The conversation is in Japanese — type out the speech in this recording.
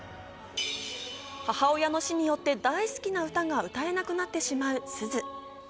母親の死によって大好きな歌が歌えなくなるすず。